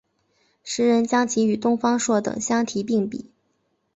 时人将其与东方朔等相提并比。